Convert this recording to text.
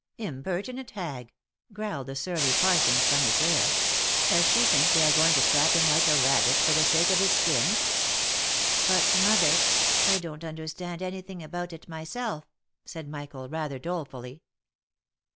" Impertinent hag !" growled the surly Parsons from his lair. " Does she think they are going to trap him like a rabbit, for the sake of his skin ?"" But, mother, I don't understand any thing about it myself," said Michael, rather dolefully.